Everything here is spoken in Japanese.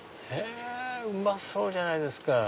うまそうじゃないですか！